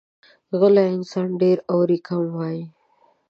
غلی انسان، ډېر اوري، کم وایي.